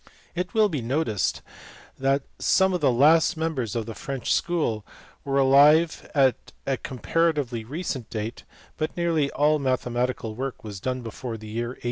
It will be noticed that some of the last members of the French school were alive at a comparatively recent date, but nearly all their mathematical work was done before the year 1830.